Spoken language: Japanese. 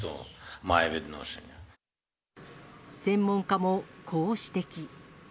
専門家も、こう指摘。